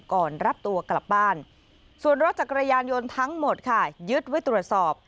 รับตัวกลับบ้านส่วนรถจักรยานยนต์ทั้งหมดค่ะยึดไว้ตรวจสอบ